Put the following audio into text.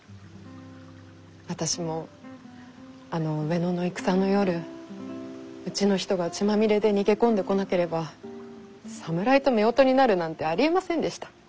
私もあの上野の戦の夜うちの人が血まみれで逃げ込んでこなければ侍とめおとになるなんてありえませんでした。